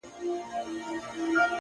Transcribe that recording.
څښل مو تويول مو شرابونه د جلال!